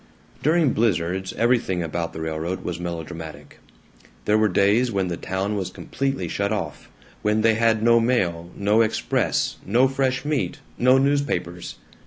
During blizzards everything about the railroad was melodramatic. There were days when the town was completely shut off, when they had no mail, no express, no fresh meat, no newspapers.